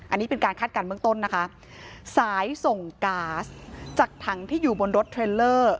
อันนี้เป็นการคาดการณ์เบื้องต้นนะคะสายส่งก๊าซจากถังที่อยู่บนรถเทรลเลอร์